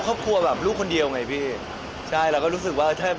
เราก็พูดความแล้วชีวิตค่ะแม่พี่โดมแกน่ารัก